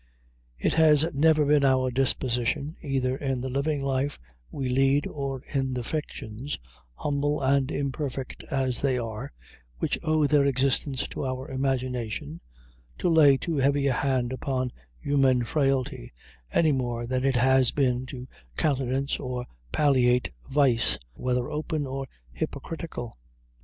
It has never been our disposition, either in the living life we lead, or in the fictions, humble and imperfect as they are, which owe their existence to our imagination, to lay too heavy a hand upon human frailty, any more than it has been to countenance or palliate vice, whether open or hypocritical.